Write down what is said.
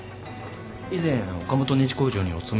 以前岡本ネジ工場にお勤めでしたよね？